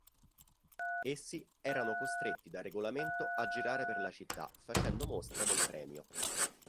Essi erano costretti da regolamento a girare per la città facendo mostra del "premio".